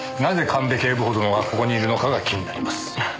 なぜ神戸警部補殿がここにいるのかが気になります。